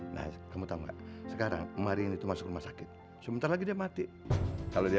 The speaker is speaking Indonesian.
nah kamu tahu sekarang mari itu masuk rumah sakit sebentar lagi dia mati kalau dia